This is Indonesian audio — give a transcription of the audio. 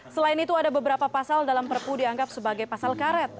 selain itu ada beberapa pasal dalam perpu dianggap sebagai pasal karet